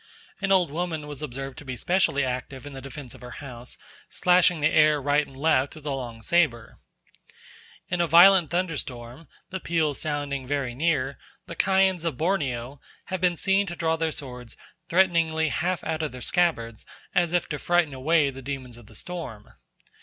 An old woman was observed to be specially active in the defence of her house, slashing the air right and left with a long sabre. In a violent thunderstorm, the peals sounding very near, the Kayans of Borneo have been seen to draw their swords threateningly half out of their scabbards, as if to frighten away the demons of the storm.